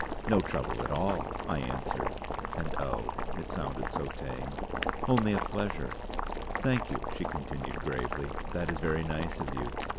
"No trouble at all," I answered and oh! it sounded so tame "only a pleasure!" "Thank you," she continued gravely, "that is very nice of you.